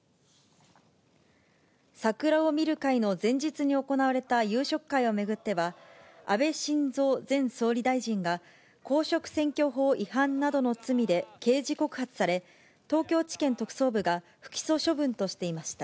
桜を見る会の前日に行われた夕食会を巡っては、安倍晋三前総理大臣が公職選挙法違反などの罪で刑事告発され、東京地検特捜部が不起訴処分としていました。